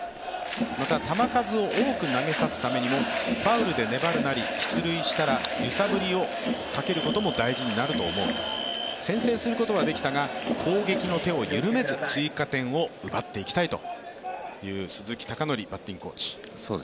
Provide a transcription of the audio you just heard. また球数を多く投げさせるためにもファウルで粘るなり、出塁した際は揺さぶりをかけることも大事になると思う先制することはできたが攻撃の手を緩めず追加点を奪っていきたいという鈴木尚典バッティングコーチ。